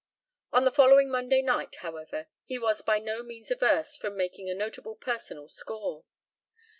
On the following Monday night, however, he was by no means averse from making a notable personal score.